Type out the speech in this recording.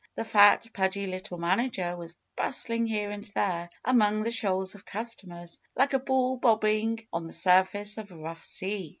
The fat, pudgy little manager was bustling here and there among the shoals of customers, like a ball bob bing on the surface of a rough sea.